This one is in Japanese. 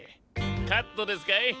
カットですかい？